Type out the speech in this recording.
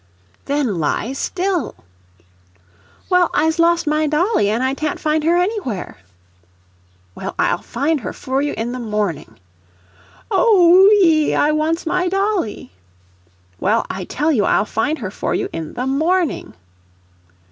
"Then lie still." "Well, Ize lost my dolly, an' I tant find her anywhere." "Well, I'll find her for you in the morning." "Oo oo ee I wants my dolly." "Well, I tell you I'll find her for you in the morning."